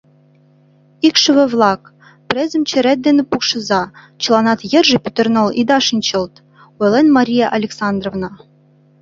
«Икшыве-влак, презым черет дене пукшыза, чыланат йырже пӱтырныл ида шинчылт, — ойлен Мария Александровна.